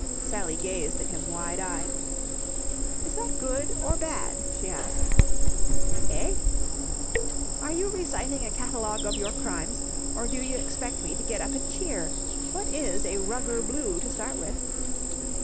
Sally gazed at him wide eyed. "Is that good or bad?" she asked. "Eh?" "Are you reciting a catalogue of your crimes, or do you expect me to get up and cheer? What is a rugger blue, to start with?"